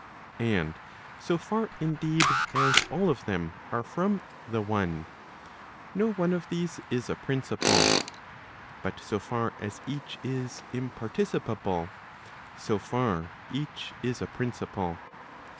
And so far indeed, as all of them are from the one , no one of these is a principle. But so far as each is imparticipable, so far each , is a principle.